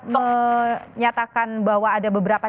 menyatakan bahwa ada beberapa